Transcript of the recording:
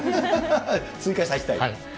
追加させたい。